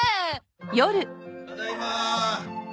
ただいま。